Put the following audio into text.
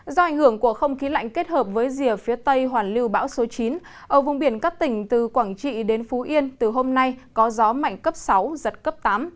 do ảnh hưởng của không khí lạnh kết hợp với rìa phía tây hoàn lưu bão số chín ở vùng biển các tỉnh từ quảng trị đến phú yên từ hôm nay có gió mạnh cấp sáu giật cấp tám